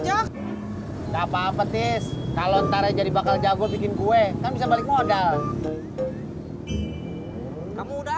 ya enggak paham petis kalau ntar jadi bakal jago bikin gue kan bisa balik modal kamu udah